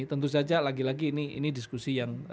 tentu saja lagi lagi ini diskusi yang